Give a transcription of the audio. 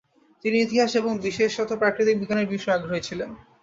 তিনি ইতিহাস এবং বিশেষত প্রাকৃতিক বিজ্ঞানের বিষয়েও আগ্রহী ছিলেন।